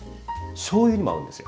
しょうゆにも合うんですよ